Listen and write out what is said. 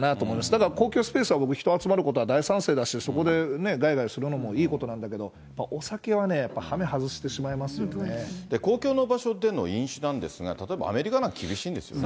だから公共スペースは、僕は人が集まることは大賛成だし、そこでがやがやするのもいいことなんだけど、お酒はね、公共の場所での飲酒なんですが、例えば、アメリカなんかは厳しいんですよね。